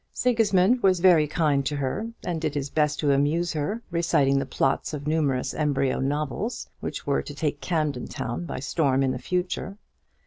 Sigismund was very kind to her, and did his best to amuse her, reciting the plots of numerous embryo novels, which were to take Camden Town by storm in the future.